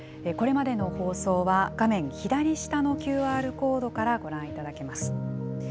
これまでの放送は、画面左下のＱＲコードからご覧いただけます。